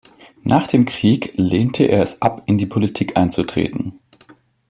Nach dem Krieg lehnte er es ab, in die Politik einzutreten.